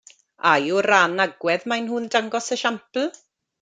Ai o ran agwedd maen nhw'n dangos esiampl?